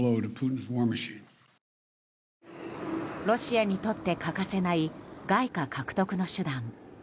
ロシアにとって欠かせない外貨獲得の手段